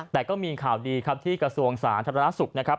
แต่ก็มีข่าวดีครับที่กระทรวงศาสตร์ธรรมนักศึกษ์